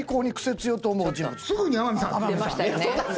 すぐに天海さん。出ましたよね。